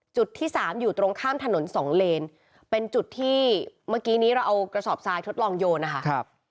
จุดที่สามอยู่ตรงข้ามถนนสองเลนเป็นจุดที่เมื่อกี้นี้เราเอากระสอบทรายทดลองโยนนะคะ